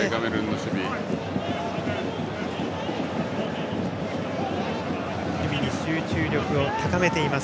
守備に集中力を高めています。